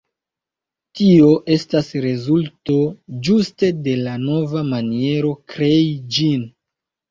Tio estas rezulto ĝuste de la nova maniero krei ĝin.